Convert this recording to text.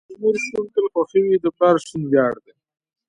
د مور شتون تل خوښې وي، د پلار شتون وياړ دي.